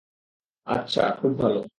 আচ্ছা, খুব ভালো।